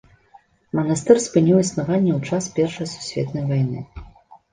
Манастыр спыніў існаванне ў час першай сусветнай вайны.